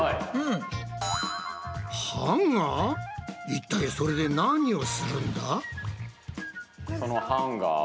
いったいそれで何をするんだ？